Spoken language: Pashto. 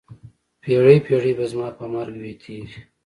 پیړۍ، پیړۍ به زما په مرګ وي تېرې